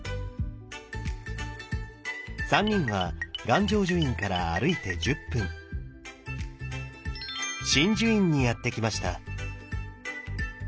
３人は願成就院から歩いて１０分眞珠院にやって来ました。